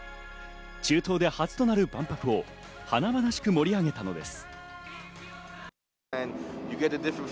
中東で初となる万博を華々しく盛り上げたのです。